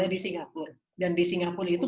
di singapura dan di singapura itu